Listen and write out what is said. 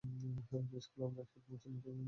স্কুলে আমরা একসাথে মঞ্চনাটকে অভিনয় করেছি।